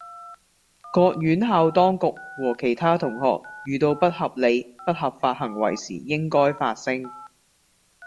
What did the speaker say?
各院校當局和其他同學遇到不合理、不合法行為時應該發聲